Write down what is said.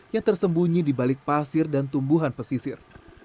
yang tersembunyi di balik pasir dan tumbuhan pesisir